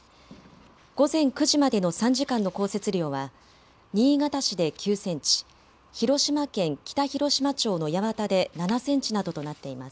午前９時までの３時間の降雪量は新潟市で９センチ、広島県北広島町の八幡で７センチなどとなっています。